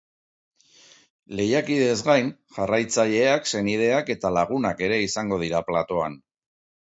Lehiakideez gain, jarraitzaileak, senideak eta lagunak ere izango dira platoan.